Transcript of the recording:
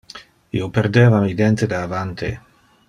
Io perdeva mi dente de avante.